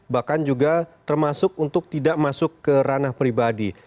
bahkan juga termasuk untuk tidak masuk ke ranah pribadi